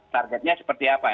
targetnya seperti apa